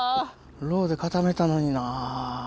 ロウで固めたのにな。